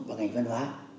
và ngành văn hóa